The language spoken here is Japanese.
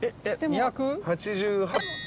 ２８８．２。